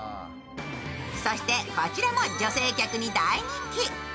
そしてこちらも女性客に大人気。